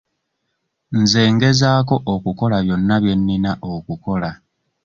Nze ngezaako okukola byonna bye nnina okukola.